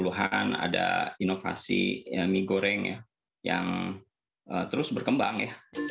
dekade tahun tujuh puluh an ada inovasi mie goreng yang terus berkembang ya